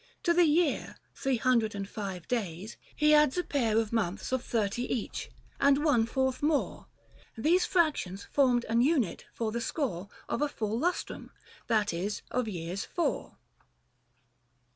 To the year Three hundred and five days, he adds a pair Book III. THE FASTI. 73 Of months of thirty each, and one fourth more, These fractions formed an unit for the score Of a full lustrum ; that is of years four.